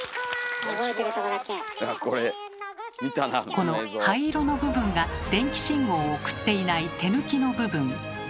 この灰色の部分が電気信号を送っていない手抜きの部分。